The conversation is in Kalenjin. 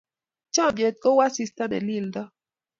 Chomnyet kou asista ne lildoi.